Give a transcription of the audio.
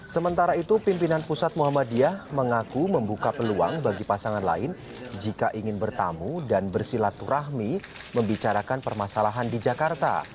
sementara itu pimpinan pusat muhammadiyah mengaku membuka peluang bagi pasangan lain jika ingin bertamu dan bersilaturahmi membicarakan permasalahan di jakarta